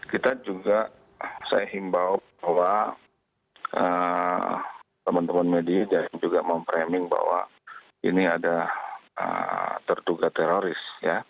kita juga saya himbau bahwa teman teman media juga memframing bahwa ini ada terduga teroris